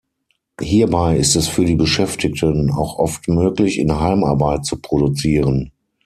Hierbei ist es für die Beschäftigten auch oft möglich, in Heimarbeit zu produzieren.